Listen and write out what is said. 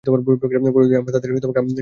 পরবর্তীতে তারা তাদের খামার বিস্তৃত করতে পারে।